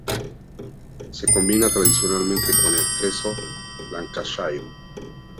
Se combina tradicionalmente con el queso Lancashire.